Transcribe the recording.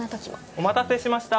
お待たせしました！